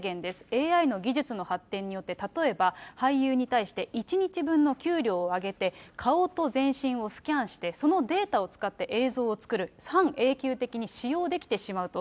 ＡＩの技術の発展によって、例えば、俳優に対して１日分の給料をあげて、顔と全身をスキャンして、そのデータを使って映像を作る、半永久的に使用できてしまうと。